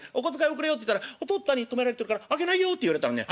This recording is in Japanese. おくれよって言ったらお父っつぁんに止められてるからあげないよって言われたらね